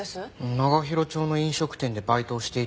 長広町の飲食店でバイトをしていたと聞きました。